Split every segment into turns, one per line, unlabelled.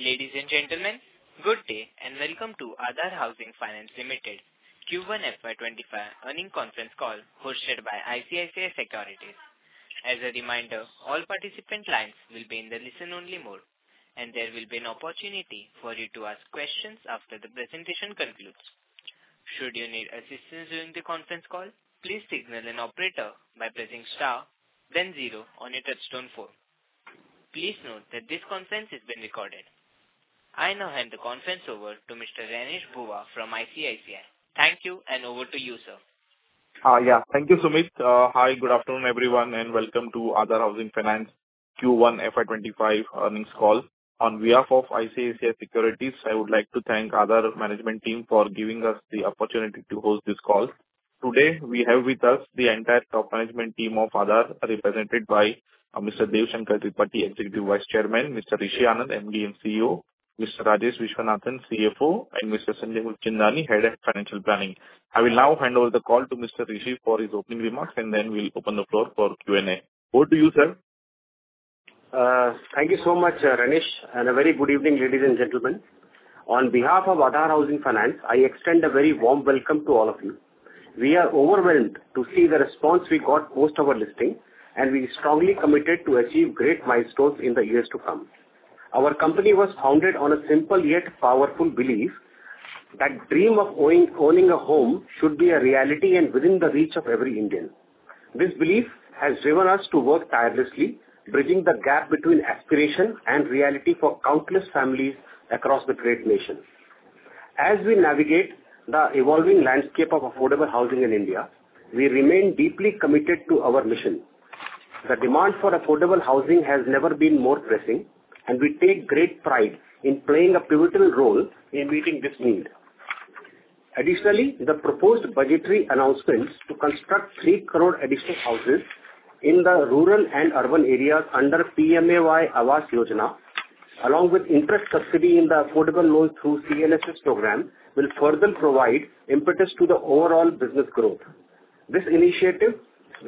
Ladies and gentlemen, good day and welcome to Aadhar Housing Finance Limited Q1 FY25 earnings conference call hosted by ICICI Securities. As a reminder, all participant lines will be in the listen-only mode, and there will be an opportunity for you to ask questions after the presentation concludes. Should you need assistance during the conference call, please signal an operator by pressing star, then zero on your touch-tone phone. Please note that this conference is being recorded. I now hand the conference over to Mr. Ranish Bhuva from ICICI. Thank you, and over to you, sir.
Yeah, thank you, Sumit. Hi, good afternoon, everyone, and welcome to Aadhar Housing Finance Q1 FY25 earnings call. On behalf of ICICI Securities, I would like to thank Aadhar management team for giving us the opportunity to host this call. Today, we have with us the entire top management team of Aadhar, represented by Mr. Deo Shankar Tripathi, Executive Vice Chairman, Mr. Rishi Anand, MD and CEO, Mr. Rajesh Viswanathan, CFO, and Mr. Sanjay Chinda, Head of Financial Planning. I will now hand over the call to Mr. Rishi for his opening remarks, and then we'll open the floor for Q&A. Over to you, sir.
Thank you so much, Ranish, and a very good evening, ladies and gentlemen. On behalf of Aadhar Housing Finance, I extend a very warm welcome to all of you. We are overwhelmed to see the response we got post our listing, and we are strongly committed to achieve great milestones in the years to come. Our company was founded on a simple yet powerful belief that the dream of owning a home should be a reality and within the reach of every Indian. This belief has driven us to work tirelessly, bridging the gap between aspiration and reality for countless families across the great nation. As we navigate the evolving landscape of affordable housing in India, we remain deeply committed to our mission. The demand for affordable housing has never been more pressing, and we take great pride in playing a pivotal role in meeting this need. Additionally, the proposed budgetary announcements to construct three crore additional houses in the rural and urban areas under PMAY Awas Yojana, along with interest subsidy in the affordable loans through CLSS program, will further provide impetus to the overall business growth. This initiative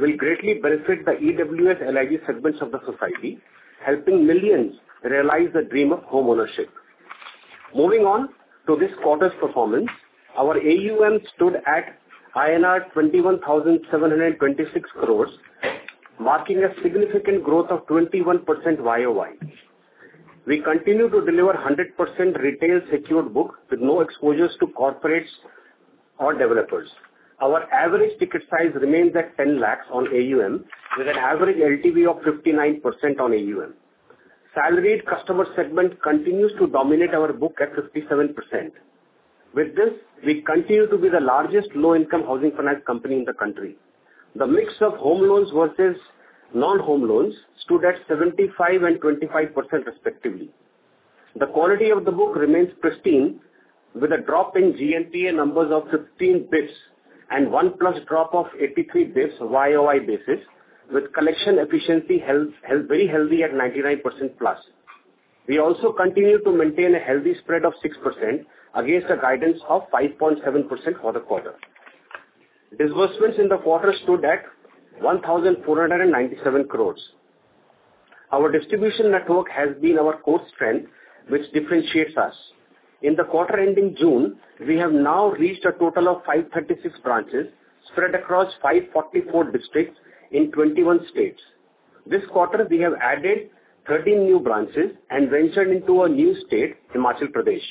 will greatly benefit the EWS, LIG segments of the society, helping millions realize the dream of homeownership. Moving on to this quarter's performance, our AUM stood at INR 21,726 crores, marking a significant growth of 21% YoY. We continue to deliver 100% retail secured book with no exposures to corporates or developers. Our average ticket size remains at 10 lakhs on AUM, with an average LTV of 59% on AUM. Salaried customer segment continues to dominate our book at 57%. With this, we continue to be the largest low-income housing finance company in the country. The mix of home loans versus non-home loans stood at 75% and 25%, respectively. The quality of the book remains pristine, with a drop in GNPA numbers of 15 basis points and one-plus drop of 83 basis points YoY basis, with collection efficiency very healthy at 99% plus. We also continue to maintain a healthy spread of 6% against a guidance of 5.7% for the quarter. Disbursements in the quarter stood at 1,497 crores. Our distribution network has been our core strength, which differentiates us. In the quarter ending June, we have now reached a total of 536 branches spread across 544 districts in 21 states. This quarter, we have added 13 new branches and ventured into a new state in Himachal Pradesh.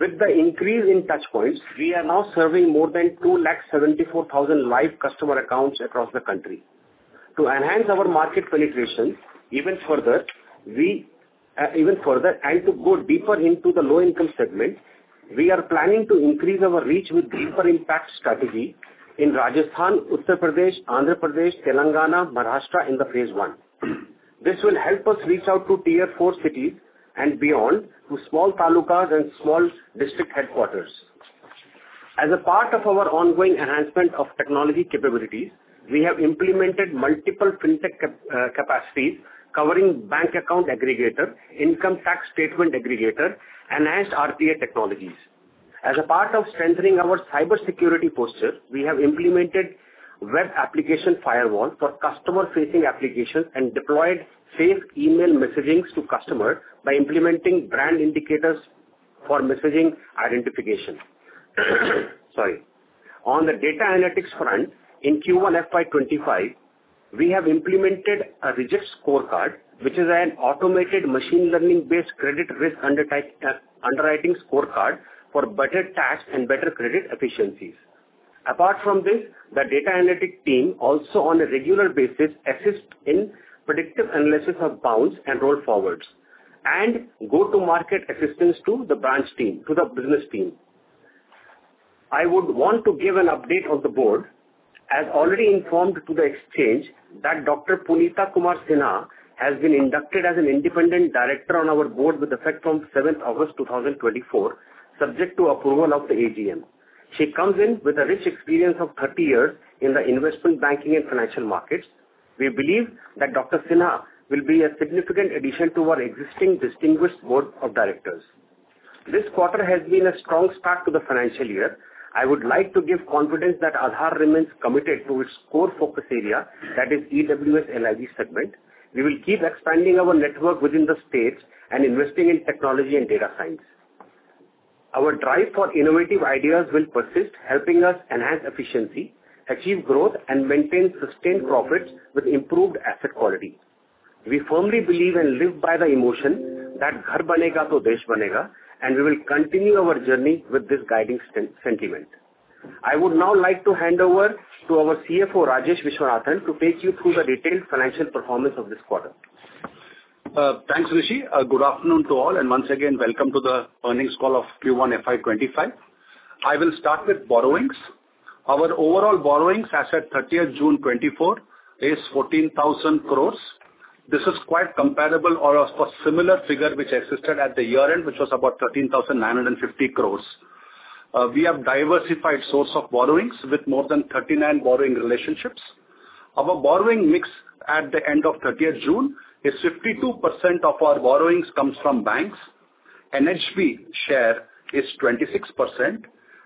With the increase in touch points, we are now serving more than 274,000 live customer accounts across the country. To enhance our market penetration even further and to go deeper into the low-income segment, we are planning to increase our reach with deeper impact strategy in Rajasthan, Uttar Pradesh, Andhra Pradesh, Telangana, and Maharashtra in the phase one. This will help us reach out to tier four cities and beyond to small talukas and small district headquarters. As a part of our ongoing enhancement of technology capabilities, we have implemented multiple fintech capacities covering bank account aggregator, income tax statement aggregator, and RPA technologies. As a part of strengthening our cybersecurity posture, we have implemented web application firewall for customer-facing applications and deployed safe email messaging to customers by implementing Brand Indicators for Message Identification. On the data analytics front, in Q1 FY25, we have implemented a Reject Scorecard, which is an automated machine learning-based credit risk underwriting scorecard for better tasks and better credit efficiencies. Apart from this, the data analytic team also on a regular basis assists in predictive analysis of bounce and roll forwards and go-to-market assistance to the branch team, to the business team. I would want to give an update on the board. As already informed to the exchange, Dr. Punita Kumar-Sinha has been inducted as an independent director on our board with effect from 7th August 2024, subject to approval of the AGM. She comes in with a rich experience of 30 years in the investment banking and financial markets. We believe that Dr. Sinha will be a significant addition to our existing distinguished board of directors. This quarter has been a strong start to the financial year. I would like to give confidence that Aadhar remains committed to its core focus area, that is EWS, LIG segment. We will keep expanding our network within the states and investing in technology and data science. Our drive for innovative ideas will persist, helping us enhance efficiency, achieve growth, and maintain sustained profits with improved asset quality. We firmly believe and live by the emotion that "Ghar Banega Toh Desh Banega," and we will continue our journey with this guiding sentiment. I would now like to hand over to our CFO, Rajesh Viswanathan, to take you through the retail financial performance of this quarter.
Thanks, Rishi. Good afternoon to all, and once again, welcome to the earnings call of Q1 FY25. I will start with borrowings. Our overall borrowings as of 30th June 2024 is 14,000 crores. This is quite comparable or for a similar figure which existed at the year end, which was about 13,950 crores. We have diversified sources of borrowings with more than 39 borrowing relationships. Our borrowing mix at the end of 30th June is 52% of our borrowings comes from banks. NHB share is 26%,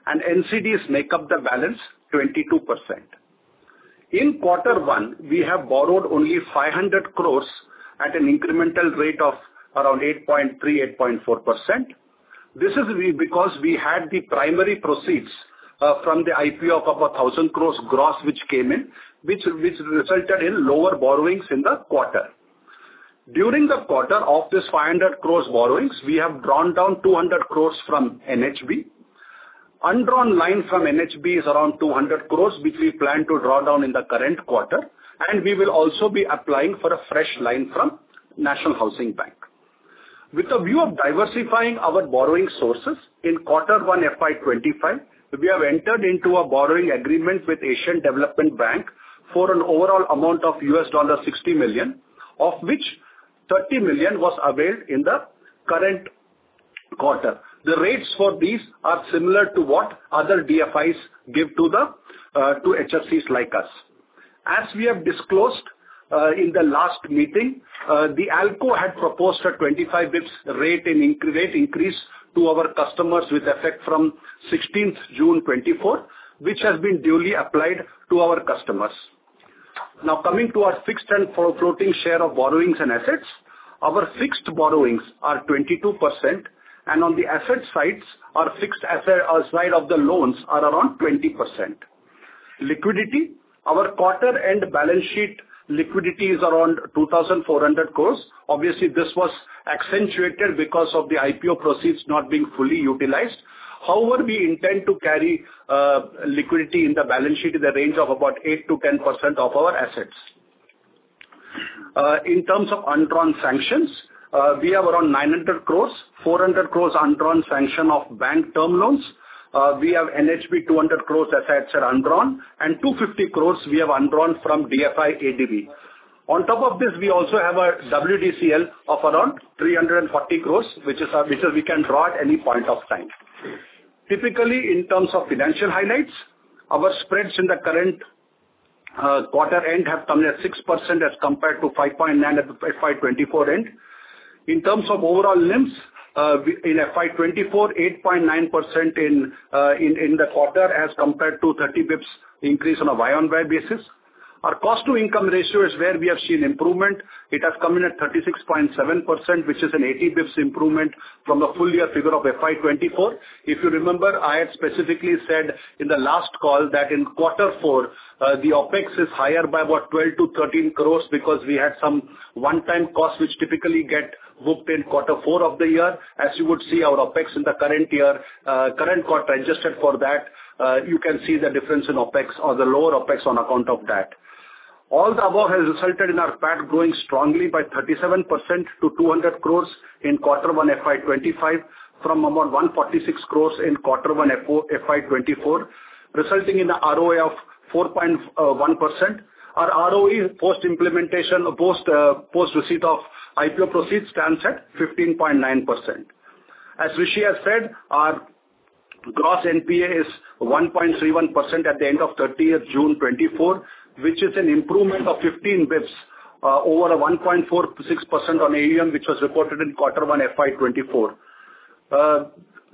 and NCDs make up the balance, 22%. In quarter one, we have borrowed only 500 crores at an incremental rate of around 8.3%, 8.4%. This is because we had the primary proceeds from the IPO of about 1,000 crores gross which came in, which resulted in lower borrowings in the quarter. During the quarter of this 500 crores borrowings, we have drawn down 200 crores from NHB. Undrawn line from NHB is around 200 crores, which we plan to draw down in the current quarter, and we will also be applying for a fresh line from National Housing Bank. With the view of diversifying our borrowing sources, in quarter one FY25, we have entered into a borrowing agreement with Asian Development Bank for an overall amount of $60 million, of which $30 million was availed in the current quarter. The rates for these are similar to what other DFIs give to HFCs like us. As we have disclosed in the last meeting, the ALCO had proposed a 25 basis points rate increase to our customers with effect from 16th June 2024, which has been duly applied to our customers. Now, coming to our fixed and floating share of borrowings and assets, our fixed borrowings are 22%, and on the asset side, our fixed side of the loans are around 20%. Liquidity, our quarter-end balance sheet liquidity is around 2,400 crores. Obviously, this was accentuated because of the IPO proceeds not being fully utilized. However, we intend to carry liquidity in the balance sheet in the range of about 8%-10% of our assets. In terms of undrawn sanctions, we have around 900 crores, 400 crores undrawn sanction of bank term loans. We have NHB 200 crores that I had said undrawn, and 250 crores we have undrawn from DFI ADB. On top of this, we also have a WCDL of around 340 crores, which we can draw at any point of time. Typically, in terms of financial highlights, our spreads in the current quarter end have come near 6% as compared to 5.9% at the FY24 end. In terms of overall yields in FY24, 8.9% in the quarter as compared to 30 basis points increase on a year-on-year basis. Our cost-to-income ratio is where we have seen improvement. It has come in at 36.7%, which is an 80 basis points improvement from the full year figure of FY24. If you remember, I had specifically said in the last call that in quarter four, the OpEx is higher by about 12-13 crores because we had some one-time costs which typically get booked in quarter four of the year. As you would see, our OpEx in the current year, current quarter adjusted for that, you can see the difference in OpEx or the lower OpEx on account of that. All the above has resulted in our PAT growing strongly by 37% to 200 crores in quarter one FY25 from about 146 crores in quarter one FY24, resulting in an ROA of 4.1%. Our ROE post receipt of IPO proceeds stands at 15.9%. As Rishi has said, our gross NPA is 1.31% at the end of 30th June 2024, which is an improvement of 15 basis points over 1.46% on AUM, which was reported in quarter one FY24.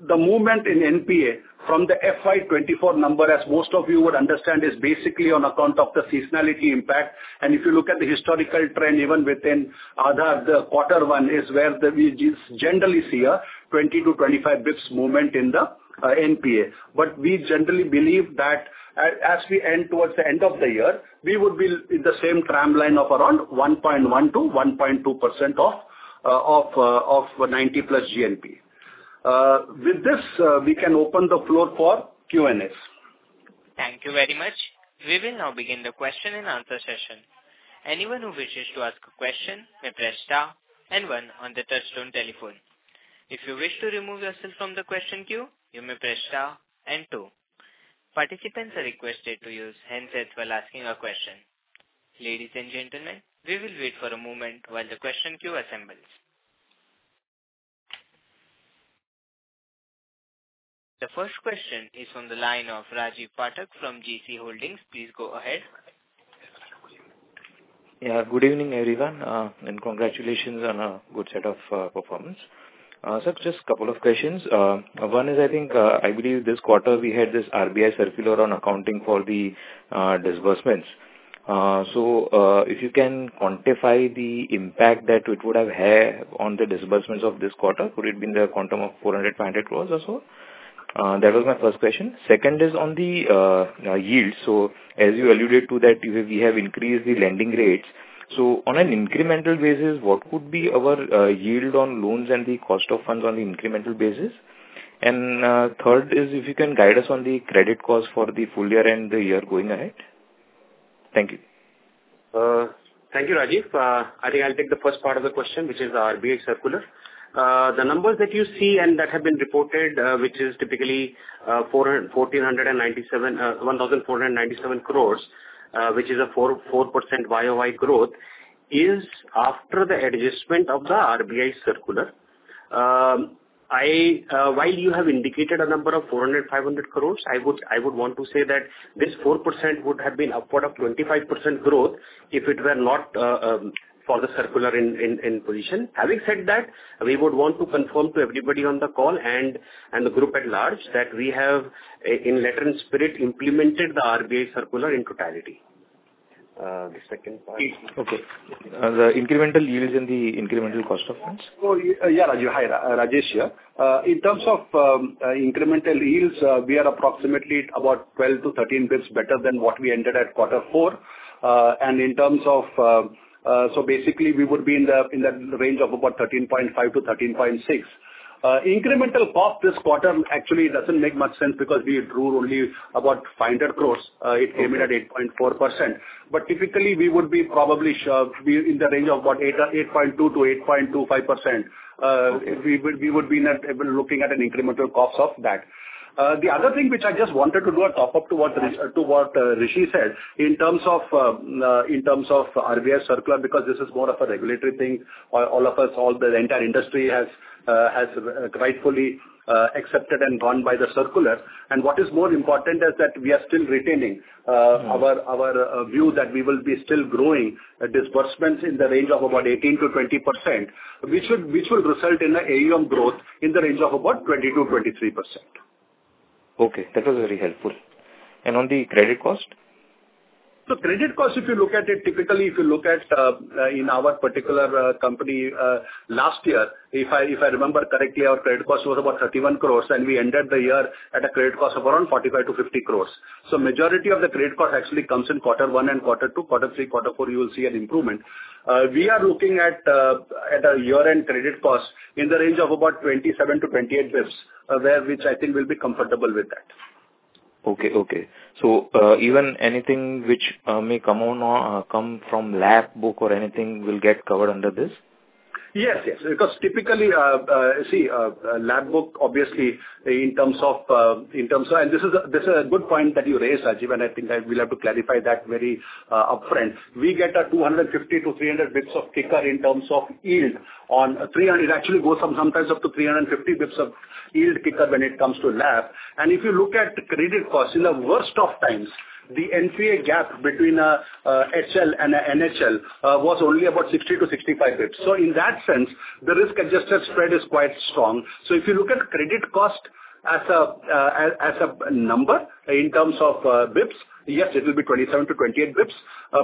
The movement in NPA from the FY24 number, as most of you would understand, is basically on account of the seasonality impact, and if you look at the historical trend, even within Aadhar, the quarter one is where we generally see a 20 to 25 basis points movement in the NPA, but we generally believe that as we end towards the end of the year, we would be in the same tram line of around 1.1% to 1.2% of 90 plus GNPA. With this, we can open the floor for Q&A.
Thank you very much. We will now begin the question and answer session. Anyone who wishes to ask a question may press star and one on the touch-tone telephone. If you wish to remove yourself from the question queue, you may press star and two. Participants are requested to use handsets while asking a question. Ladies and gentlemen, we will wait for a moment while the question queue assembles. The first question is from the line of Rajiv Pathak from GeeCee Holdings. Please go ahead.
Yeah, good evening, everyone, and congratulations on a good set of performance. So just a couple of questions. One is, I think I believe this quarter we had this RBI circular on accounting for the disbursements. So if you can quantify the impact that it would have had on the disbursements of this quarter, would it be in the quantum of 400-500 crores or so? That was my first question. Second is on the yield. So as you alluded to that, we have increased the lending rates. So on an incremental basis, what would be our yield on loans and the cost of funds on the incremental basis? And third is, if you can guide us on the credit cost for the full year and the year going ahead. Thank you.
Thank you, Rajiv. I think I'll take the first part of the question, which is the RBI circular. The numbers that you see and that have been reported, which is typically 1,497 crores, which is a 4% YoY growth, is after the adjustment of the RBI circular. While you have indicated a number of 400-500 crores, I would want to say that this 4% would have been upward of 25% growth if it were not for the circular in position. Having said that, we would want to confirm to everybody on the call and the group at large that we have, in letter and spirit, implemented the RBI circular in totality. The second part. Okay. The incremental yields and the incremental cost of funds?
Yeah, Rajesh here. In terms of incremental yields, we are approximately about 12-13 basis points better than what we entered at quarter four. And in terms of so basically, we would be in the range of about 13.5%-13.6%. Incremental cost this quarter actually doesn't make much sense because we drew only about 500 crores. It came in at 8.4%. But typically, we would be probably in the range of about 8.2%-8.25%. We would be looking at an incremental cost of that. The other thing which I just wanted to do a top-up to what Rishi said in terms of RBI circular, because this is more of a regulatory thing. All of us, all the entire industry has rightfully accepted and gone by the circular. What is more important is that we are still retaining our view that we will be still growing disbursements in the range of about 18%-20%, which will result in an AUM growth in the range of about 20%-23%.
Okay. That was very helpful. And on the credit cost?
So, credit cost, if you look at it, typically, if you look at in our particular company last year, if I remember correctly, our credit cost was about 31 crores, and we ended the year at a credit cost of around 45 to 50 crores. So majority of the credit cost actually comes in quarter one and quarter two, quarter three, quarter four, you will see an improvement. We are looking at a year-end credit cost in the range of about 27 to 28 crores, which I think we'll be comfortable with that.
Okay. So even anything which may come from LAP book or anything will get covered under this?
Yes, yes. Because typically, see, LAP, obviously, in terms of and this is a good point that you raise, Rajiv, and I think I will have to clarify that very upfront. We get 250 to 300 basis points of kicker in terms of yield on LAP. It actually goes sometimes up to 350 basis points of yield kicker when it comes to LAP. And if you look at credit cost, in the worst of times, the NPA gap between an HL and an NHL was only about 60 to 65 basis points. So in that sense, the risk-adjusted spread is quite strong. So if you look at credit cost as a number in terms of basis points, yes, it will be 27 to 28 basis points.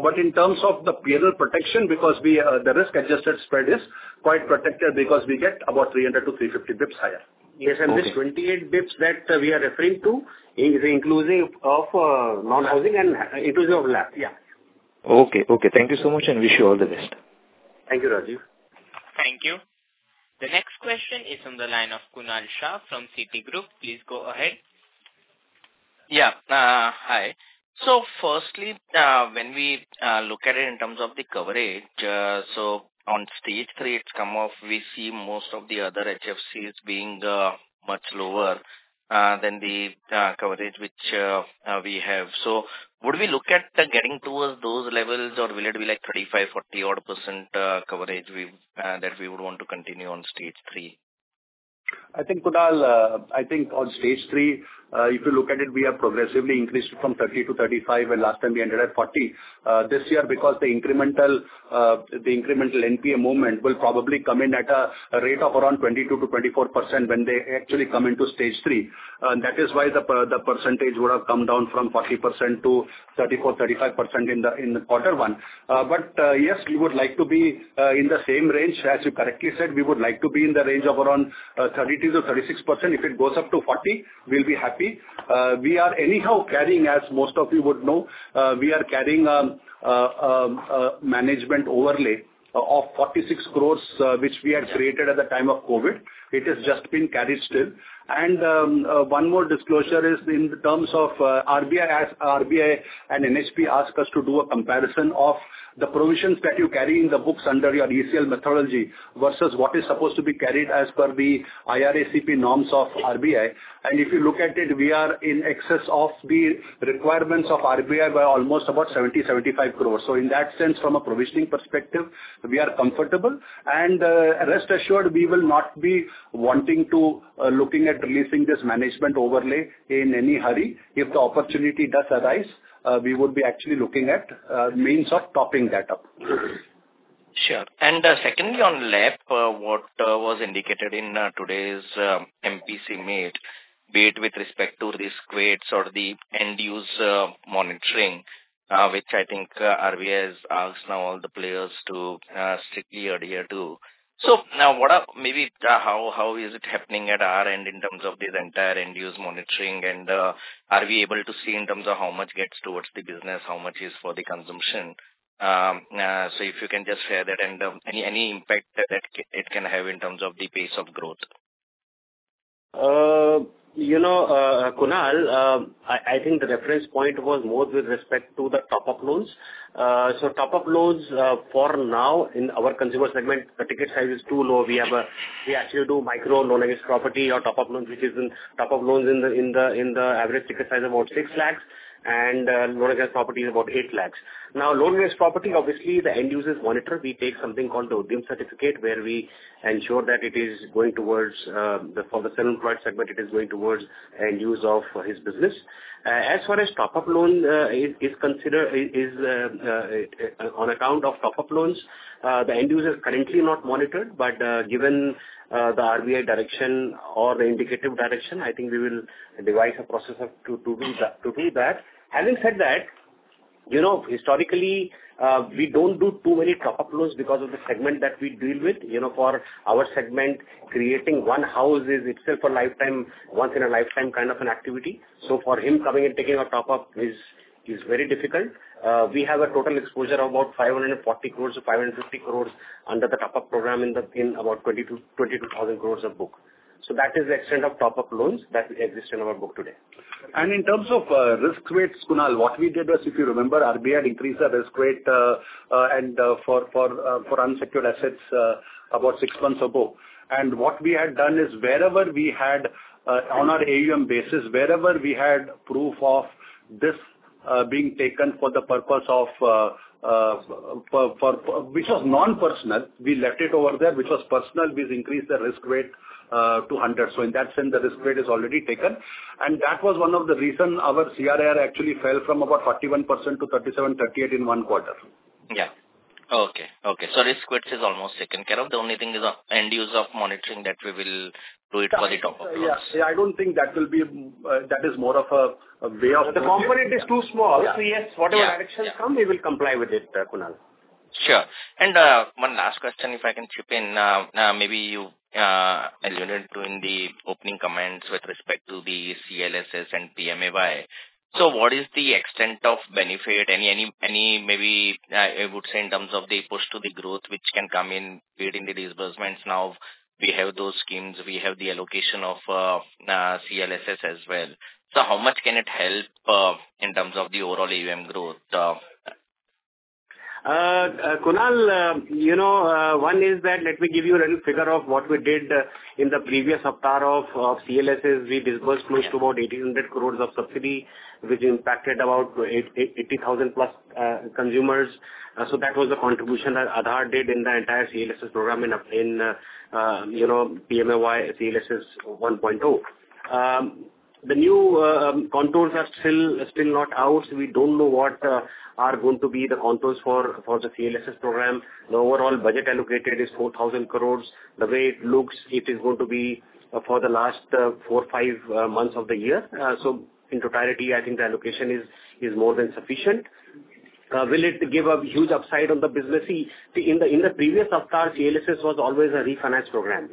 But in terms of the P&L protection, the risk-adjusted spread is quite protected because we get about 300 to 350 basis points higher. Yes, and this 28 basis points that we are referring to is inclusive of non-housing and inclusive of LAP. Yeah.
Okay. Okay. Thank you so much and wish you all the best.
Thank you, Rajiv.
Thank you. The next question is from the line of Kunal Shah from Citigroup. Please go ahead.
Yeah. Hi. So firstly, when we look at it in terms of the coverage, so on stage three, it's come off. We see most of the other HFCs being much lower than the coverage which we have. So would we look at getting towards those levels, or will it be like 35%, 40% coverage that we would want to continue on stage three?
I think, Kunal, I think on Stage 3, if you look at it, we have progressively increased from 30%-35%, and last time we entered at 40%. This year, because the incremental NPA movement will probably come in at a rate of around 22%-24% when they actually come into Stage 3. That is why the percentage would have come down from 40% to 34%, 35% in quarter one. But yes, we would like to be in the same range. As you correctly said, we would like to be in the range of around 30%-36%. If it goes up to 40%, we'll be happy. We are anyhow carrying, as most of you would know, we are carrying a management overlay of 46 crores, which we had created at the time of COVID. It has just been carried still. One more disclosure is in terms of RBI and NHB asked us to do a comparison of the provisions that you carry in the books under your ECL methodology versus what is supposed to be carried as per the IRACP norms of RBI. And if you look at it, we are in excess of the requirements of RBI by almost about 70 to 75 crores. So in that sense, from a provisioning perspective, we are comfortable. And rest assured, we will not be wanting to look at releasing this management overlay in any hurry. If the opportunity does arise, we would be actually looking at means of topping that up.
Sure. And secondly, on LAP, what was indicated in today's MPC meet, be it with respect to risk weights or the end-use monitoring, which I think RBI has asked now all the players to strictly adhere to. So maybe how is it happening at our end in terms of the entire end-use monitoring, and are we able to see in terms of how much gets towards the business, how much is for the consumption? So if you can just share that and any impact that it can have in terms of the pace of growth.
Kunal, I think the reference point was more with respect to the top-up loans. So top-up loans for now, in our consumer segment, the ticket size is too low. We actually do micro loan against property or top-up loans, which is in top-up loans in the average ticket size of about six lakhs, and loan against property is about eight lakhs. Now, loan against property, obviously, the end-use is monitored. We take something called the Udyam certificate, where we ensure that it is going towards for the self-employed segment, it is going towards end-use of his business. As far as top-up loan is considered on account of top-up loans, the end-use is currently not monitored, but given the RBI direction or the indicative direction, I think we will devise a process to do that. Having said that, historically, we don't do too many top-up loans because of the segment that we deal with. For our segment, creating one house is itself a lifetime, once-in-a-lifetime kind of an activity. So for him coming and taking a top-up is very difficult. We have a total exposure of about 540 crores to 550 crores under the top-up program in about 22,000 crores of book. So that is the extent of top-up loans that exist in our book today. And in terms of risk weights, Kunal, what we did was, if you remember, RBI had increased the risk weight for unsecured assets about six months ago. And what we had done is wherever we had, on our AUM basis, wherever we had proof of this being taken for the purpose of which was non-personal, we left it over there. Which was personal, we've increased the risk weight to 100. So in that sense, the risk weight is already taken. And that was one of the reasons our CRAR actually fell from about 41% to 37%, 38% in one quarter.
So risk weights is almost taken care of. The only thing is end-use monitoring that we will do it for the top-up loans.
Yeah. I don't think that will be. That is more of a way of. The company is too small. So yes, whatever directions come, we will comply with it, Kunal.
Sure. And one last question, if I can chip in. Maybe you alluded to in the opening comments with respect to the CLSS and PM AY. So what is the extent of benefit? And maybe I would say in terms of the push to the growth, which can come in paid in the disbursements now. We have those schemes. We have the allocation of CLSS as well. So how much can it help in terms of the overall AUM growth?
Kunal, one is that let me give you a little figure of what we did in the previous Aadhar of CLSS. We disbursed close to about 1,800 crores of subsidy, which impacted about 80,000 plus consumers. So that was the contribution that Aadhar did in the entire CLSS program in PMAY CLSS 1.0. The new contours are still not out. We don't know what are going to be the contours for the CLSS program. The overall budget allocated is 4,000 crores. The way it looks, it is going to be for the last four, five months of the year. So in totality, I think the allocation is more than sufficient. Will it give a huge upside on the business? See, in the previous Aadhar, CLSS was always a refinance program.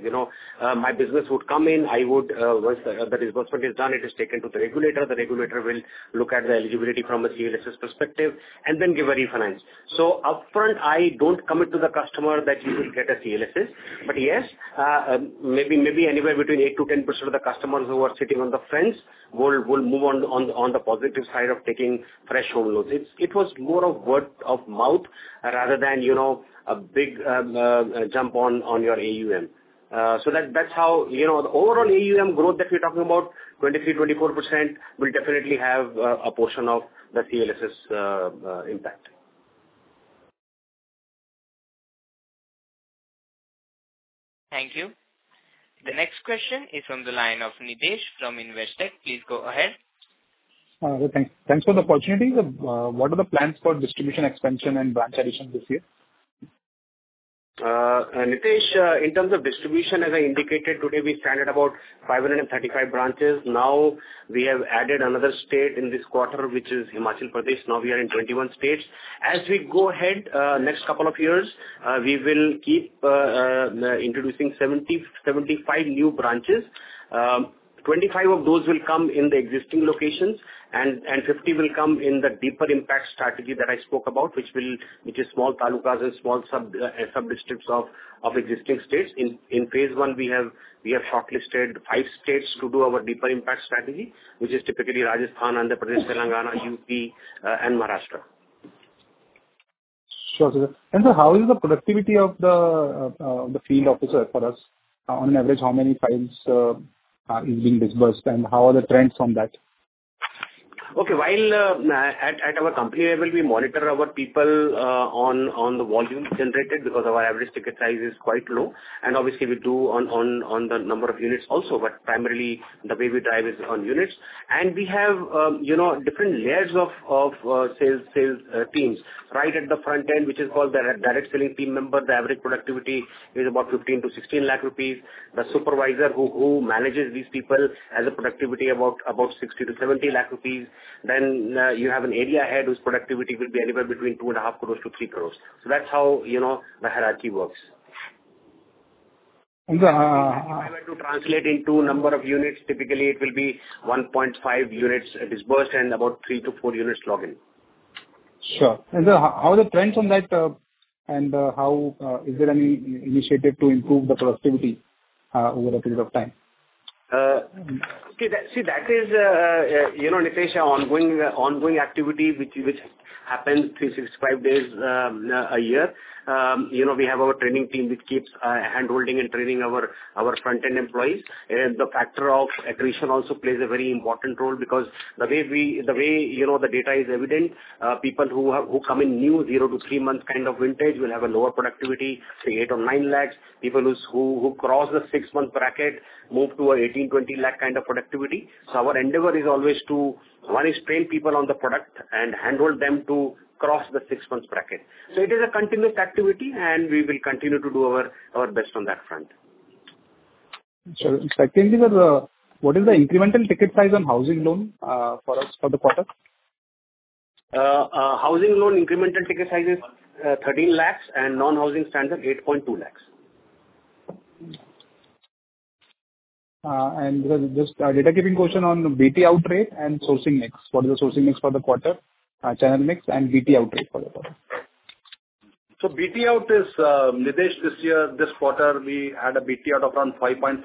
My business would come in, I would once the disbursement is done, it is taken to the regulator. The regulator will look at the eligibility from a CLSS perspective and then give a refinance. So upfront, I don't commit to the customer that you will get a CLSS. But yes, maybe anywhere between 8%-10% of the customers who are sitting on the fence will move on the positive side of taking fresh home loans. It was more of word of mouth rather than a big jump on your AUM. So that's how the overall AUM growth that we're talking about, 23%-24%, will definitely have a portion of the CLSS impact.
Thank you. The next question is from the line of Nitesh from Investec. Please go ahead.
Thanks for the opportunity. What are the plans for distribution expansion and branch addition this year?
Nitesh, in terms of distribution, as I indicated today, we started about 535 branches. Now, we have added another state in this quarter, which is Himachal Pradesh. Now, we are in 21 states. As we go ahead next couple of years, we will keep introducing 75 new branches. 25 of those will come in the existing locations, and 50 will come in the deeper impact strategy that I spoke about, which is small talukas and small sub-districts of existing states. In phase one, we have shortlisted five states to do our deeper impact strategy, which is typically Rajasthan, Andhra Pradesh, Telangana, UP, and Maharashtra.
Sure. How is the productivity of the field officer for us? On average, how many files are being disbursed, and how are the trends on that?
Okay. At our company, we will monitor our people on the volume generated because our average ticket size is quite low. And obviously, we do on the number of units also, but primarily, the way we drive is on units. And we have different layers of sales teams right at the front end, which is called the direct selling team member. The average productivity is about 15-16 lakh rupees. The supervisor who manages these people has a productivity of about 60-70 lakh rupees. Then you have an Area head whose productivity will be anywhere between 2.5-3 crores. So that's how the hierarchy works. And if I were to translate into number of units, typically, it will be 1.5 units disbursed and about 3-4 units logged.
Sure. And how are the trends on that, and is there any initiative to improve the productivity over a period of time?
See, that is, Nitesh, an ongoing activity which happens 365 days a year. We have our training team which keeps hand-holding and training our front-end employees. The factor of accretion also plays a very important role because the way the data is evident, people who come in new 0 to 3 months kind of vintage will have a lower productivity, say, eight or nine lakhs. People who cross the 6-month bracket move to a 18-20 lakh kind of productivity. So our endeavor is always to, one, is train people on the product and hand-hold them to cross the 6-month bracket. So it is a continuous activity, and we will continue to do our best on that front.
Sure. Secondly, what is the incremental ticket size on housing loan for the quarter?
Housing loan incremental ticket size is 13 lakhs, and non-housing standard 8.2 lakhs.
And just a data-keeping question on BT out rate and sourcing mix. What is the sourcing mix for the quarter? Channel mix and BT out rate for the quarter?
BT out is, Nitesh, this year, this quarter, we had a BT out of around 5.5%,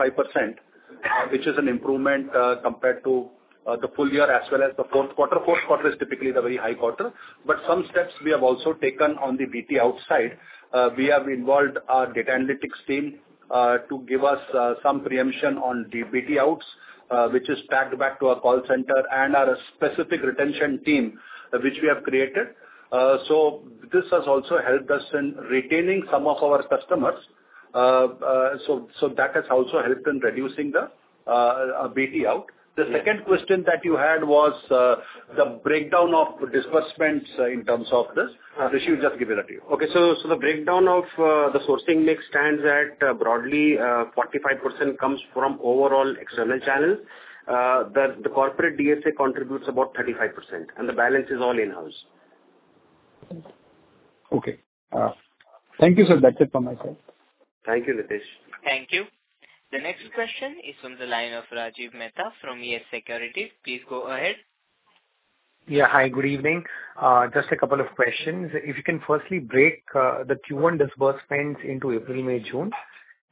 which is an improvement compared to the full year as well as the fourth quarter. The fourth quarter is typically the very high quarter. But some steps we have also taken on the BT out side. We have involved our data analytics team to give us some preemption on the BT outs, which is tagged back to our call center and our specific retention team, which we have created. So this has also helped us in retaining some of our customers. So that has also helped in reducing the BT out. The second question that you had was the breakdown of disbursements in terms of this. Rishi, we'll just give it to you. Okay. So the breakdown of the sourcing mix stands at broadly 45% comes from overall external channels. The corporate DSA contributes about 35%, and the balance is all in-house.
Okay. Thank you, sir. That's it from my side.
Thank you, Nitesh.
Thank you. The next question is from the line of Rajiv Mehta from YES Securities. Please go ahead.
Yeah. Hi. Good evening. Just a couple of questions. If you can firstly break the Q1 disbursements into April, May, June,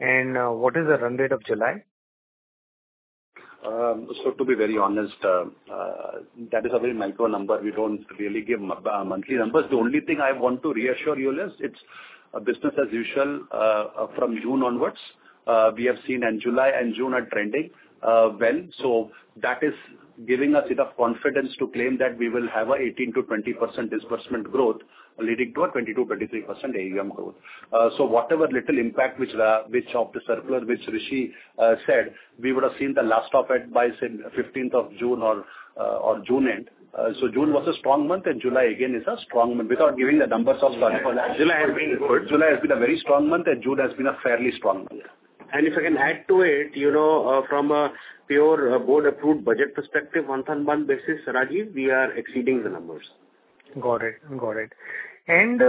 and what is the run rate of July?
To be very honest, that is a very micro number. We don't really give monthly numbers. The only thing I want to reassure you is it's a business as usual from June onwards. We have seen in July and June are trending well. So that is giving us enough confidence to claim that we will have an 18%-20% disbursement growth leading to a 22%, 23% AUM growth. So whatever little impact which of the circular which Rishi said, we would have seen the last of it by 15th of June or June end. So June was a strong month, and July again is a strong month. Without giving the numbers of. July has been good. July has been a very strong month, and June has been a fairly strong month.
If I can add to it, from a pure board-approved budget perspective, month-on-month basis, Rajiv, we are exceeding the numbers.
Got it. Got it. And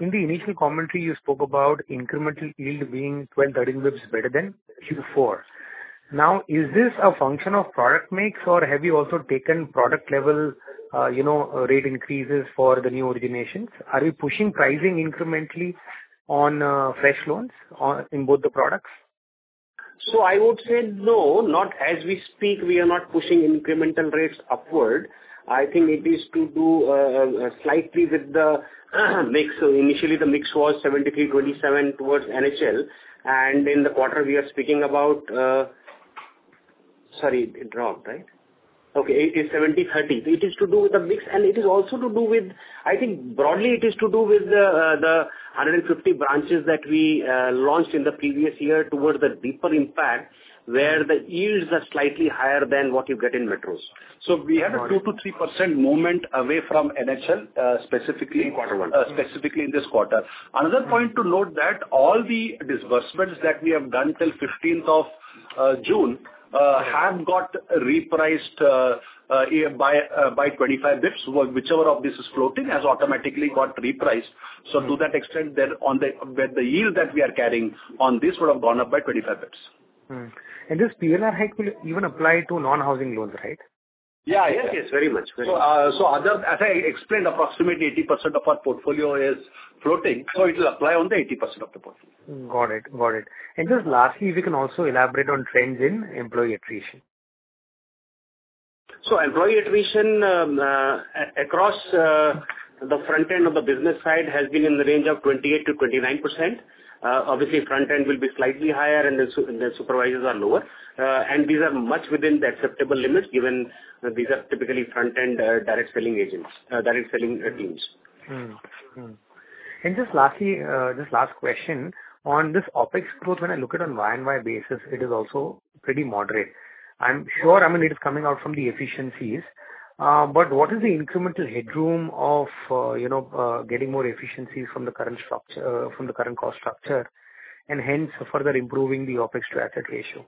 in the initial commentary, you spoke about incremental yield being 12, 13 basis points better than Q4. Now, is this a function of product mix, or have you also taken product-level rate increases for the new originations? Are we pushing pricing incrementally on fresh loans in both the products?
I would say no. Not as we speak, we are not pushing incremental rates upward. I think it is to do slightly with the mix. Initially, the mix was 73-27 towards NHL. In the quarter we are speaking about, sorry, it dropped, right? Okay. It is to do with the mix, and it is also to do with, I think, broadly, it is to do with the 150 branches that we launched in the previous year towards the deeper impact, where the yields are slightly higher than what you get in metros. We have a 2%-3% movement away from NHL specifically.
Quarter one.
Specifically in this quarter. Another point to note that all the disbursements that we have done till 15th of June have got repriced by 25 basis points. Whichever of this is floating has automatically got repriced. So to that extent, the yield that we are carrying on this would have gone up by 25 basis points.
This PMAY even applies to non-housing loans, right?
Yeah. Yes. Yes. Very much. So as I explained, approximately 80% of our portfolio is floating, so it will apply on the 80% of the portfolio.
Got it. Got it. And just lastly, if you can also elaborate on trends in employee attrition?
So employee attrition across the front end of the business side has been in the range of 28%-29%. Obviously, front end will be slightly higher, and the supervisors are lower. And these are much within the acceptable limits given these are typically front-end direct selling teams.
Just lastly, just last question. On this Opex growth, when I look at it on a Y and Y basis, it is also pretty moderate. I'm sure it is coming out from the efficiencies. But what is the incremental headroom of getting more efficiencies from the current cost structure and hence further improving the Opex to asset ratio?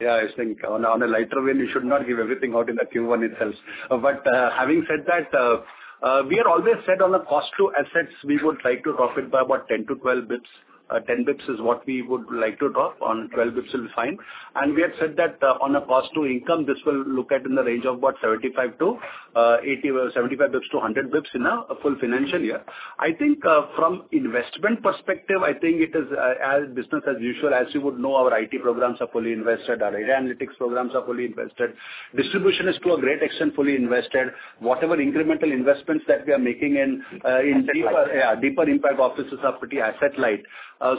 Yeah. I think on a lighter way, we should not give everything out in the Q1 itself. But having said that, we are always set on a cost to assets. We would like to drop it by about 10 to 12 basis points. 10 basis points is what we would like to drop. On 12 basis points, we'll be fine. And we have said that on a cost to income, this will look at in the range of about 75 to 100 basis points in a full financial year. I think from investment perspective, I think it is as business as usual. As you would know, our IT programs are fully invested. Our data analytics programs are fully invested. Distribution is to a great extent fully invested. Whatever incremental investments that we are making in deeper impact offices are pretty asset-light.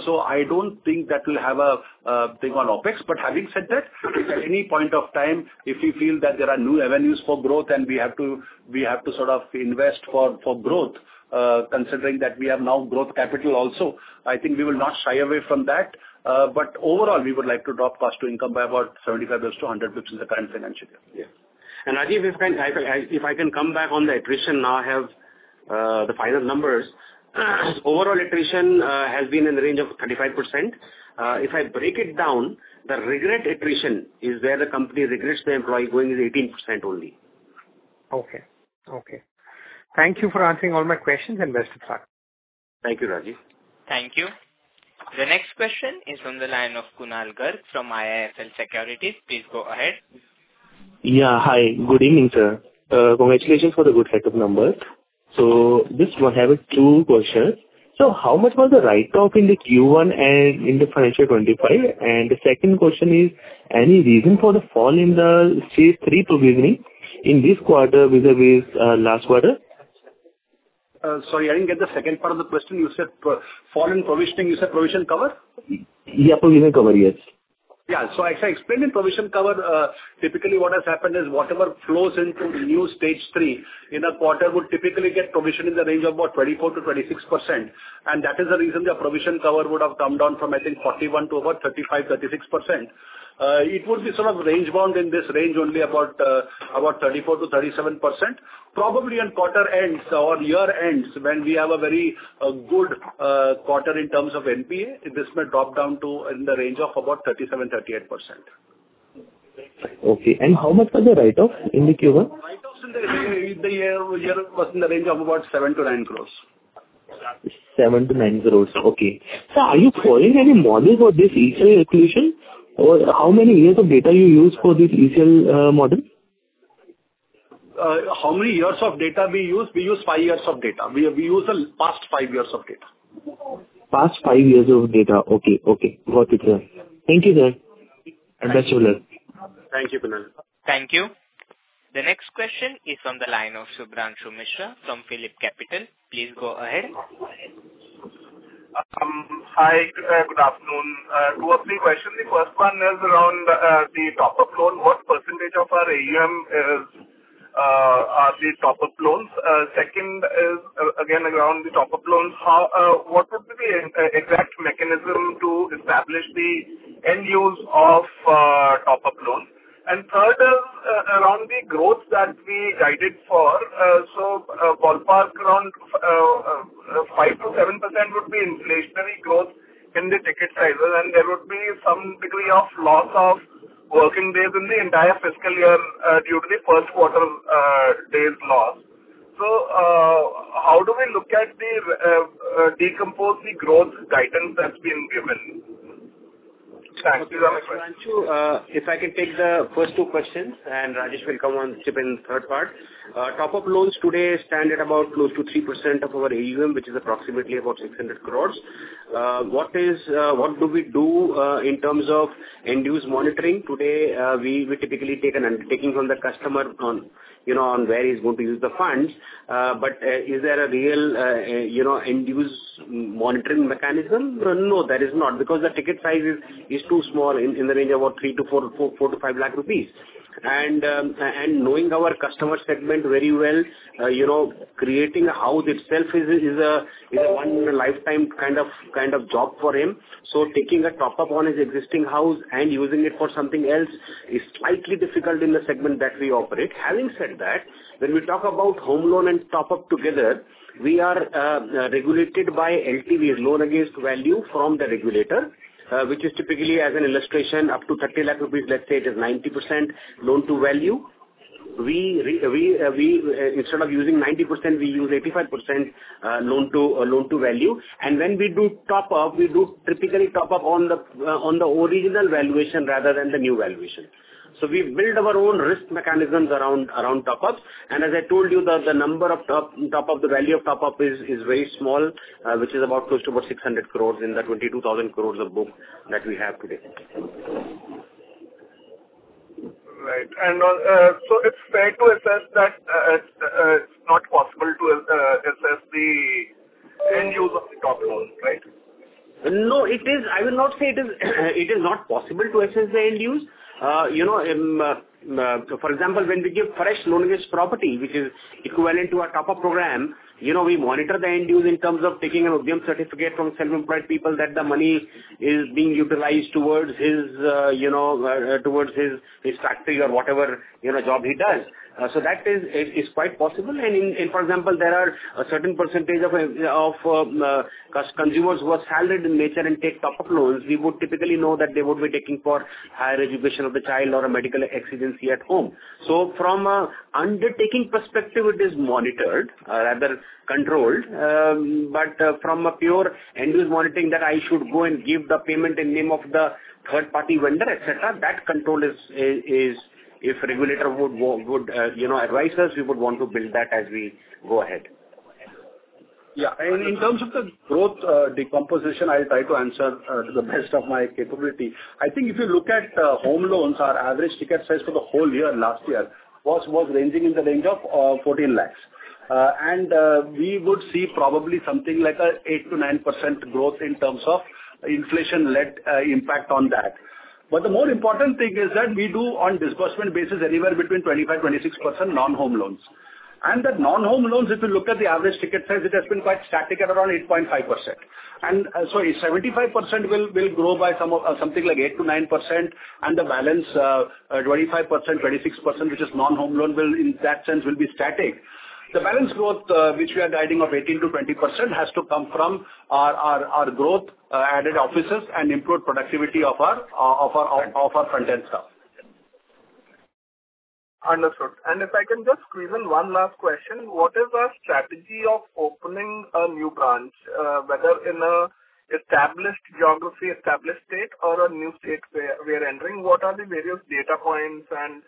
So I don't think that will have a thing on OpEx. But having said that, at any point of time, if we feel that there are new avenues for growth and we have to sort of invest for growth, considering that we have now growth capital also, I think we will not shy away from that, but overall, we would like to drop cost to income by about 75-100 basis points in the current financial year.
Yeah. And Rajiv, if I can come back on the attrition now, I have the final numbers. Overall attrition has been in the range of 35%. If I break it down, the regret attrition is where the company regrets the employee going is 18% only.
Okay. Okay. Thank you for answering all my questions, Investec sir.
Thank you, Rajiv.
Thank you. The next question is from the line of Kunal Garg from IIFL Securities. Please go ahead.
Yeah. Hi. Good evening, sir. Congratulations for the good set of numbers. So just have two questions. So how much was the write-off in the Q1 and in the financial 25? And the second question is, any reason for the fall in the Stage 3 provisioning in this quarter vis-à-vis last quarter?
Sorry, I didn't get the second part of the question. You said fall in provisioning. You said provision cover?
Yeah. Provision cover, yes.
Yeah. So as I explained in provision cover, typically what has happened is whatever flows into new Stage 3 in a quarter would typically get provision in the range of about 24%-26%. And that is the reason the provision cover would have come down from, I think, 41% to about 35%-36%. It would be sort of range bound in this range only about 34%-37%. Probably on quarter ends or year ends, when we have a very good quarter in terms of NPA, this may drop down to in the range of about 37%-38%.
Okay, and how much was the write-off in the Q1?
Write-offs in the year was in the range of about 7-9 crores.
7-9 crores. Okay. So are you following any model for this ECL equation? How many years of data you use for this ECL model?
How many years of data we use? We use five years of data. We use the past five years of data.
Past five years of data. Okay. Okay. Got it, sir. Thank you, sir.
Thank you, sir.
Thank you, Kunal.
Thank you. The next question is from the line of Subhranshu Mishra from PhillipCapital. Please go ahead.
Hi. Good afternoon. Two or three questions. The first one is around the top-up loan. What percentage of our AUM are the top-up loans? Second is, again, around the top-up loans, what would be the exact mechanism to establish the end use of top-up loans? And third is around the growth that we guided for. So ballpark around 5% to 7% would be inflationary growth in the ticket sizes, and there would be some degree of loss of working days in the entire fiscal year due to the first quarter days loss. So how do we look at to decompose the growth guidance that's being given? Thanks.
Okay. So Rajiv, if I can take the first two questions, and Rajiv will come on and chip in the third part. Top-up loans today stand at about close to 3% of our AUM, which is approximately about 600 crores. What do we do in terms of end-use monitoring? Today, we typically take an undertaking from the customer on where he's going to use the funds. But is there a real end-use monitoring mechanism? No, there is not because the ticket size is too small in the range of about 3 to 4 to 5 lakh rupees. And knowing our customer segment very well, creating a house itself is a one-lifetime kind of job for him. So taking a top-up on his existing house and using it for something else is slightly difficult in the segment that we operate. Having said that, when we talk about home loan and top-up together, we are regulated by LTV, loan to value from the regulator, which is typically, as an illustration, up to 30 lakh rupees. Let's say it is 90% loan to value. Instead of using 90%, we use 85% loan to value. And when we do top-up, we do typically top-up on the original valuation rather than the new valuation. So we build our own risk mechanisms around top-ups. And as I told you, the number of top-up, the value of top-up is very small, which is close to 600 crores in the 22,000 crores of book that we have today.
Right. And so it's fair to assess that it's not possible to assess the end-use of the top-up loans, right?
No, it is. I will not say it is not possible to assess the end-use. For example, when we give fresh loan against property, which is equivalent to a top-up program, we monitor the end-use in terms of taking an Udyam certificate from self-employed people that the money is being utilized towards his factory or whatever job he does. So that is quite possible. And for example, there are a certain percentage of consumers who are salaried in nature and take top-up loans. We would typically know that they would be taking for higher education of the child or a medical accident at home. So from an undertaking perspective, it is monitored, rather controlled. But from a pure end-use monitoring that I should go and give the payment in name of the third-party vendor, etc., that control is, if a regulator would advise us, we would want to build that as we go ahead.
Yeah. And in terms of the growth decomposition, I'll try to answer to the best of my capability. I think if you look at home loans, our average ticket size for the whole year last year was ranging in the range of 14 lakhs. And we would see probably something like an 8%-9% growth in terms of inflation-led impact on that. But the more important thing is that we do on disbursement basis anywhere between 25%-26% non-home loans. And the non-home loans, if you look at the average ticket size, it has been quite static at around 8.5%. And so 75% will grow by something like 8%-9%, and the balance 25%-26%, which is non-home loan, in that sense, will be static. The balance growth, which we are guiding of 18%-20%, has to come from our growth-added offices and improved productivity of our front-end staff.
Understood. And if I can just squeeze in one last question, what is our strategy of opening a new branch, whether in an established geography, established state, or a new state we are entering? What are the various data points and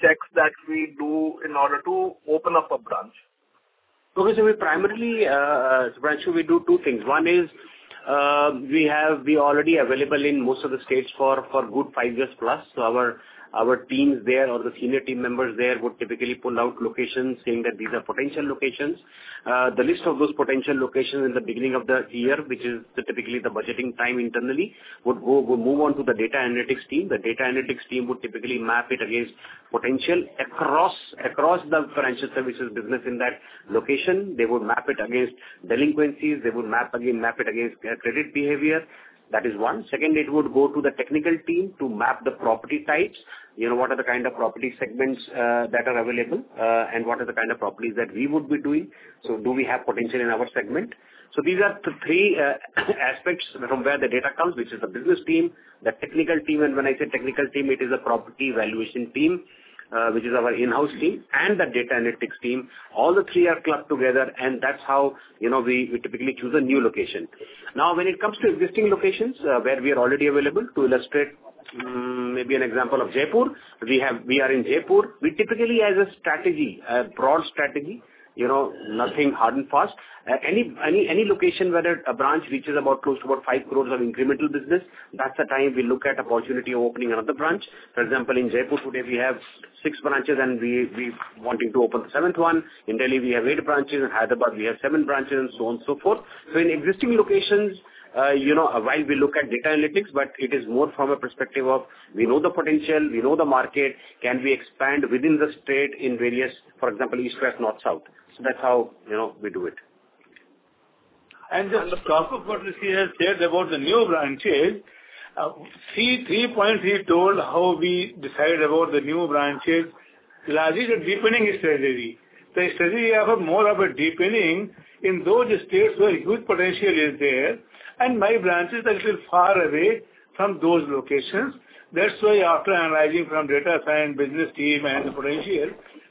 checks that we do in order to open up a branch?
Okay. So primarily, Subhranshu, we do two things. One is we are already available in most of the states for good five years plus. So our teams there or the senior team members there would typically pull out locations saying that these are potential locations. The list of those potential locations in the beginning of the year, which is typically the budgeting time internally, would move on to the data analytics team. The data analytics team would typically map it against potential across the financial services business in that location. They would map it against delinquencies. They would map it against credit behavior. That is one. Second, it would go to the technical team to map the property types. What are the kind of property segments that are available, and what are the kind of properties that we would be doing? So do we have potential in our segment? These are the three aspects from where the data comes, which is the business team, the technical team. When I say technical team, it is the property valuation team, which is our in-house team, and the data analytics team. All the three are clubbed together, and that's how we typically choose a new location. Now, when it comes to existing locations where we are already available, to illustrate maybe an example of Jaipur, we are in Jaipur. We typically have a broad strategy, nothing hard and fast. Any location where a branch reaches about close to five crores of incremental business, that's the time we look at the opportunity of opening another branch. For example, in Jaipur today, we have six branches, and we're wanting to open the seventh one. In Delhi, we have eight branches. In Hyderabad, we have seven branches, and so on and so forth. So in existing locations, while we look at data analytics, but it is more from a perspective of we know the potential, we know the market, can we expand within the state in various, for example, east-west to north-south. So that's how we do it.
Just to talk about the new branches, Chetan told how we decided about the new branches. Rajiv, the deepening is strategy. The strategy of more of a deepening in those states where huge potential is there and my branches that are a little far away from those locations. That's why, after analyzing from data science, business team, and the potential,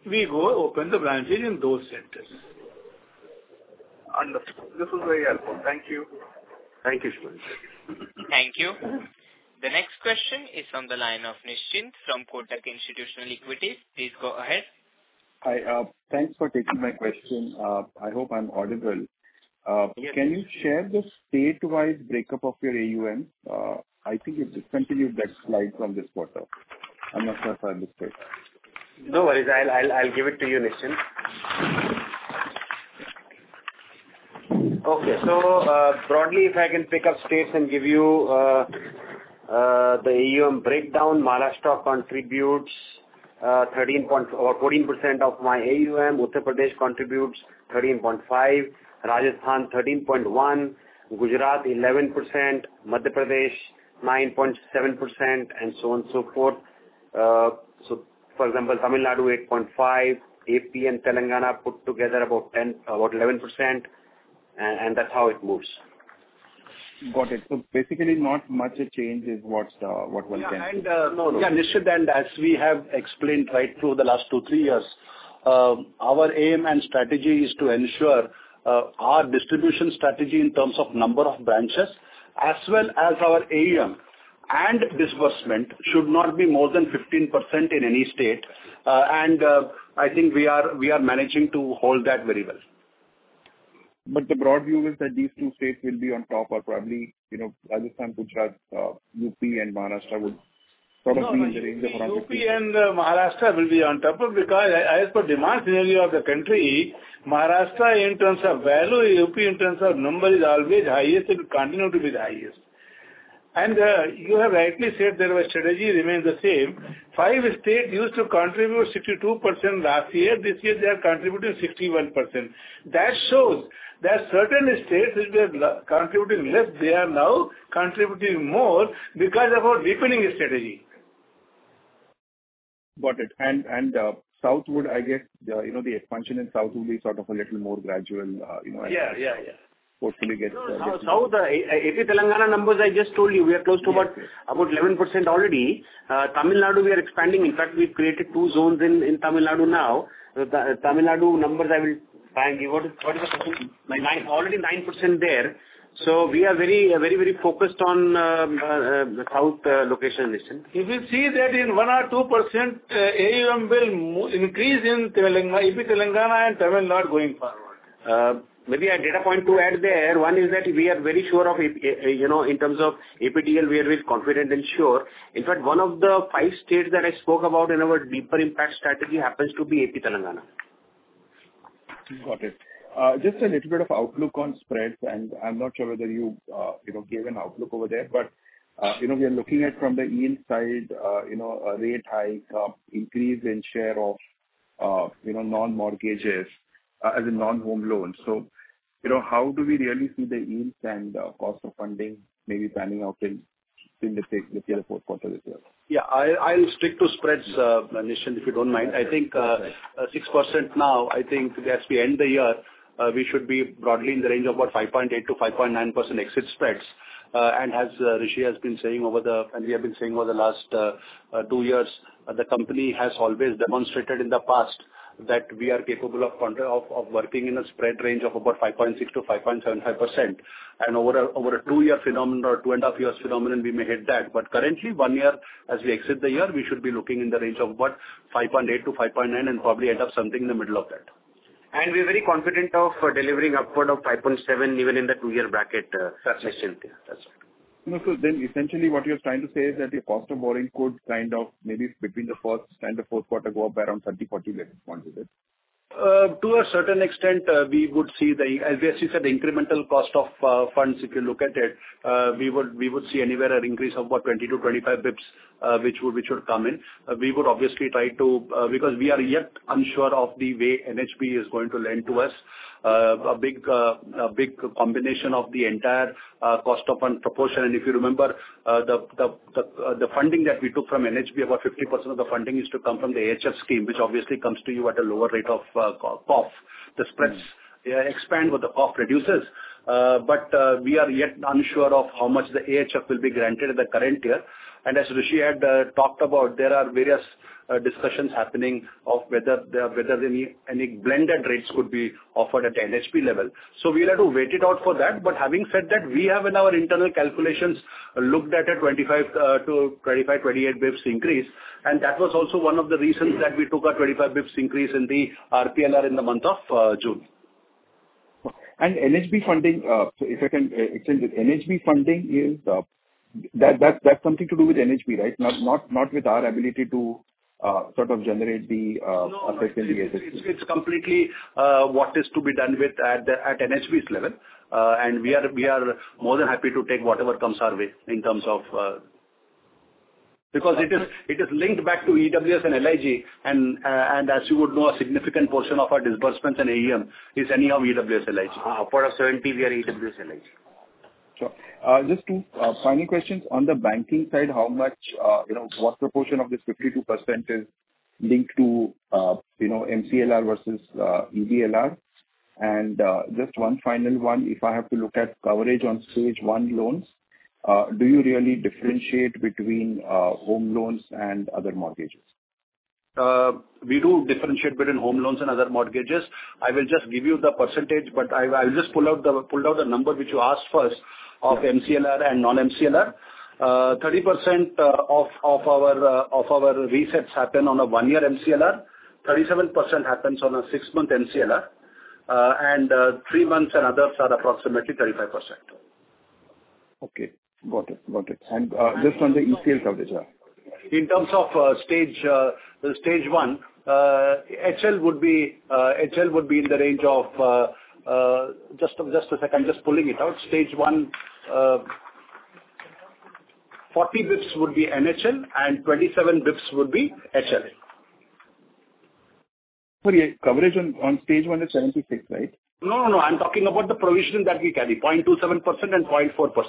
we go open the branches in those centers.
Understood. This was very helpful. Thank you.
Thank you, Subhranshu.
Thank you. The next question is from the line of Nischint from Kotak Institutional Equities. Please go ahead.
Hi. Thanks for taking my question. I hope I'm audible. Can you share the statewide breakup of your AUM? I think you've discontinued that slide from this quarter. I'm not sure if I understood.
No worries. I'll give it to you, Nischint. Okay. So broadly, if I can pick up states and give you the AUM breakdown, Maharashtra contributes 13.4% of my AUM, Uttar Pradesh contributes 13.5%, Rajasthan 13.1%, Gujarat 11%, Madhya Pradesh 9.7%, and so on and so forth. So for example, Tamil Nadu 8.5%, AP and Telangana put together about 11%, and that's how it moves.
Got it. So basically, not much a change is was done.
Yeah, Nischint, and as we have explained right through the last two, three years, our aim and strategy is to ensure our distribution strategy in terms of number of branches as well as our AUM and disbursement should not be more than 15% in any state, and I think we are managing to hold that very well.
But the broad view is that these two states will be on top, or probably Rajasthan, Gujarat, UP, and Maharashtra would probably be in the range of around 15%.
UP and Maharashtra will be on top because as per demand scenario of the country, Maharashtra in terms of value, UP in terms of number is always highest and will continue to be the highest. And you have rightly said that our strategy remains the same. Five states used to contribute 62% last year. This year, they are contributing 61%. That shows that certain states which were contributing less, they are now contributing more because of our deepening strategy.
Got it, and southward, I guess the expansion in south would be sort of a little more gradual.
Yeah. Yeah. Yeah.
Hopefully gets a little more.
So, South AP, Telangana numbers I just told you, we are close to about 11% already. Tamil Nadu, we are expanding. In fact, we've created two zones in Tamil Nadu now. Tamil Nadu numbers, I will try and give you. What is the question? Already 9% there. So we are very, very focused on the south location, Nischint.
If we see that in one or two%, AUM will increase in AP Telangana and Tamil Nadu going forward.
Maybe a data point to add there. One is that we are very sure of in terms of AP, TL, we are very confident and sure. In fact, one of the five states that I spoke about in our deeper impact strategy happens to be AP Telangana.
Got it. Just a little bit of outlook on spreads, and I'm not sure whether you gave an outlook over there, but we are looking at from the yield side, rate hike, increase in share of non-mortgages as in non-home loans. So how do we really see the yields and cost of funding maybe panning out in the fourth quarter this year?
Yeah. I'll stick to spreads, Nischint, if you don't mind. I think 6% now. I think as we end the year, we should be broadly in the range of about 5.8%-5.9% exit spreads. And as Rishi has been saying over the, and we have been saying over the last two years, the company has always demonstrated in the past that we are capable of working in a spread range of about 5.6%-5.75%. And over a two-year phenomenon or two-and-a-half-year phenomenon, we may hit that. But currently, one year as we exit the year, we should be looking in the range of about 5.8%-5.9% and probably end up something in the middle of that.
We're very confident of delivering upward of 5.7% even in the two-year bracket.
That's it.
Then essentially what you're trying to say is that the cost of borrowing could kind of maybe between the fourth and the fourth quarter go up by around 30-40 basis points, is it?
To a certain extent, we would see the, as we said, incremental cost of funds. If you look at it, we would see anywhere an increase of about 20 to 25 basis points which would come in. We would obviously try to, because we are yet unsure of the way NHB is going to lend to us, a big combination of the entire cost of fund proportion. And if you remember, the funding that we took from NHB, about 50% of the funding is to come from the AHF scheme, which obviously comes to you at a lower rate of COF. The spreads expand when the COF reduces. But we are yet unsure of how much the AHF will be granted in the current year. And as Rishi had talked about, there are various discussions happening of whether any blended rates could be offered at the NHB level. We'll have to wait it out for that. But having said that, we have in our internal calculations looked at a 25 to 28 basis points increase. That was also one of the reasons that we took a 25 basis points increase in the RPLR in the month of June.
NHB funding, if I can extend it, NHB funding, that's something to do with NHB, right? Not with our ability to sort of generate the assets in the CLSS?
No. It's completely what is to be done at NHB's level. And we are more than happy to take whatever comes our way in terms of, because it is linked back to EWS and LIG. And as you would know, a significant portion of our disbursements and AUM is in EWS LIG.
For a certain period, EWS LIG.
Sure. Just two final questions. On the banking side, how much, what proportion of this 52% is linked to MCLR versus EBLR? And just one final one, if I have to look at coverage on Stage 1 loans, do you really differentiate between home loans and other mortgages?
We do differentiate between home loans and other mortgages. I will just give you the percentage, but I will just pull out the number which you asked first of MCLR and non-MCLR. 30% of our resets happen on a one-year MCLR. 37% happens on a six-month MCLR, and three months and others are approximately 35%.
Okay. Got it. Got it. And just on the ECL coverage, yeah?
In terms of stage one, HL would be in the range of just a second, just pulling it out. Stage one, 40 basis points would be NHL, and 27 basis points would be HL.
Sorry, coverage on Stage 1 is 76, right?
No, no, no. I'm talking about the provision that we carry, 0.27% and 0.4%.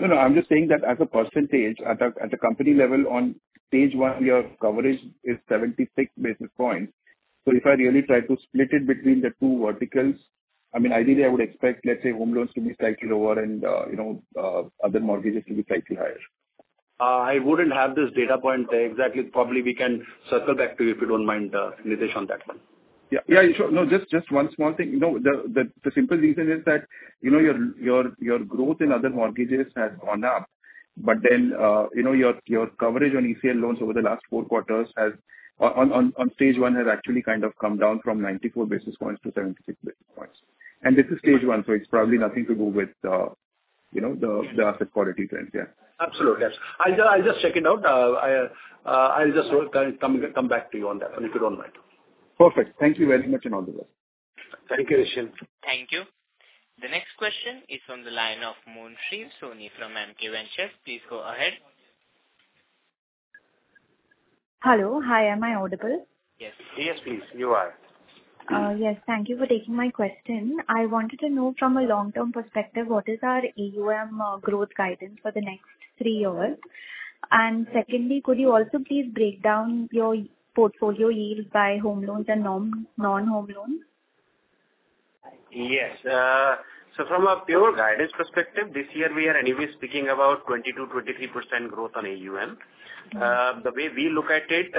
No, no. I'm just saying that as a percentage, at the company level, on Stage 1, your coverage is 76 basis points. So if I really try to split it between the two verticals, I mean, ideally, I would expect, let's say, home loans to be slightly lower and other mortgages to be slightly higher.
I wouldn't have this data point exactly. Probably we can circle back to you if you don't mind, Nitesh, on that one.
Yeah. Yeah. Sure. No, just one small thing. No, the simple reason is that your growth in other mortgages has gone up, but then your coverage on ECL loans over the last four quarters on stage one has actually kind of come down from 94 basis points to 76 basis points. And this is stage one, so it's probably nothing to do with the asset quality trends, yeah.
Absolutely. I'll just check it out. I'll just come back to you on that one if you don't mind.
Perfect. Thank you very much and all the best.
Thank you, Nischint.
Thank you. The next question is from the line of Munshi Soni from MK Ventures. Please go ahead.
Hello. Hi. Am I audible?
Yes.
Yes, please. You are.
Yes. Thank you for taking my question. I wanted to know from a long-term perspective, what is our AUM growth guidance for the next three years? And secondly, could you also please break down your portfolio yields by home loans and non-home loans?
Yes. So from a pure guidance perspective, this year, we are anyway speaking about 22%-23% growth on AUM. The way we look at it,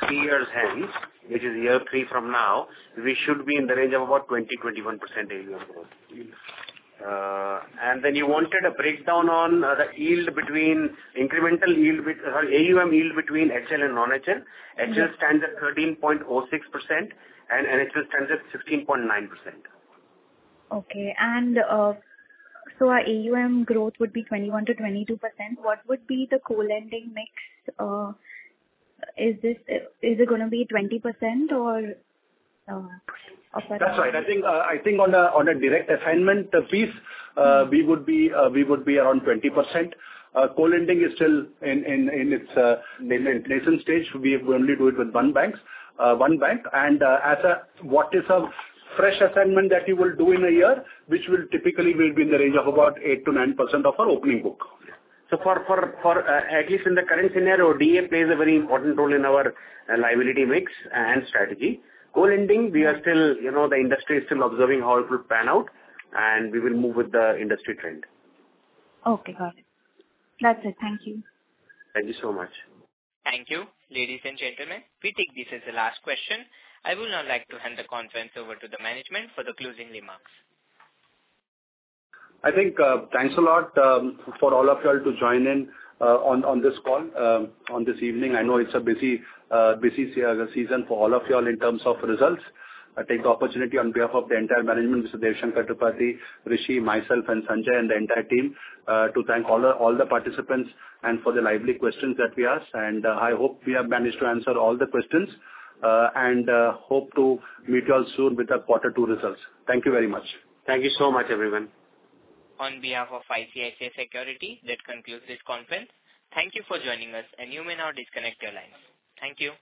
three years hence, which is year three from now, we should be in the range of about 20%-21% AUM growth. And then you wanted a breakdown on the incremental AUM yield between HL and non-HL. HL stands at 13.06%, and NHL stands at 16.9%.
Okay, and so our AUM growth would be 21%-22%. What would be the co-lending mix? Is it going to be 20% or?
That's right. I think on a direct assignment piece, we would be around 20%. Co-lending is still in its nascent stage. We only do it with one bank. And what is a fresh assignment that you will do in a year, which typically will be in the range of about 8%-9% of our opening book?
So at least in the current scenario, DA plays a very important role in our liability mix and strategy. Co-lending, the industry is still observing how it will pan out, and we will move with the industry trend.
Okay. Got it. That's it. Thank you.
Thank you so much.
Thank you. Ladies and gentlemen, we take this as the last question. I would now like to hand the conference over to the management for the closing remarks.
I think thanks a lot for all of y'all to join in on this call on this evening. I know it's a busy season for all of y'all in terms of results. I take the opportunity on behalf of the entire management, Mr. Deo Shankar Tripathi, Rishi, myself, and Sanjay, and the entire team to thank all the participants and for the lively questions that we asked. I hope we have managed to answer all the questions and hope to meet y'all soon with the quarter two results. Thank you very much.
Thank you so much, everyone.
On behalf of ICICI Securities, that concludes this conference. Thank you for joining us, and you may now disconnect your lines. Thank you.